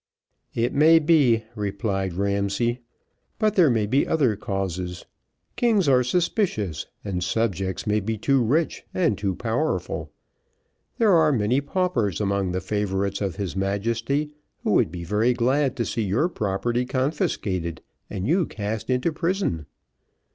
"It may be," replied Ramsay, "but there may be other causes, kings are suspicious, and subjects may be too rich and too powerful. There are many paupers among the favourites of his Majesty, who would be very glad to see your property confiscated, and you cast into prison."